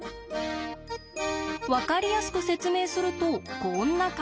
分かりやすく説明するとこんな感じ。